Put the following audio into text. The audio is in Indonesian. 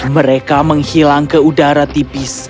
mereka menghilang ke udara tipis